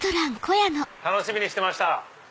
楽しみにしてました！